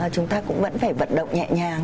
chúng ta cũng vẫn phải vận động nhẹ nhàng